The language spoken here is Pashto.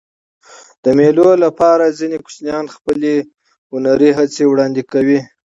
د مېلو له پاره ځيني کوچنيان خپله هنري هڅه وړاندي کوي.